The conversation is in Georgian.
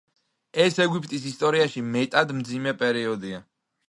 ეს ეგვიპტის ისტორიაში მეტად მძიმე პერიოდია.